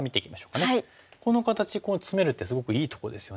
この形ここにツメるってすごくいいとこですよね。